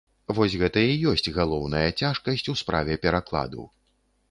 Вось гэта і ёсць галоўная цяжкасць у справе перакладу.